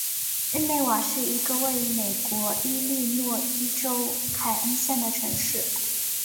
日内瓦是一个位于美国伊利诺伊州凯恩县的城市。